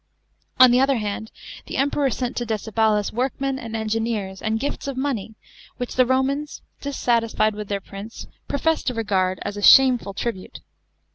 f On the other hand, the K.mp« ror sent to Decebalus workmen and engineers, and gilts of money which the Romans, dissatisfied with their prince, professed to regard as a shameful tribute.